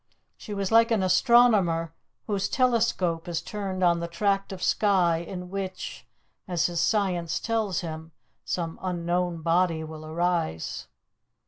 She was like an astronomer whose telescope is turned on the tract of sky in which, as his science tells him, some unknown body will arise.